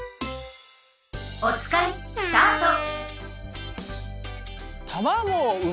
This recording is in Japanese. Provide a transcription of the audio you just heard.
おつかいスタート！